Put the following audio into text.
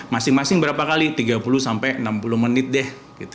masing masing berapa kali tiga puluh sampai enam puluh menit deh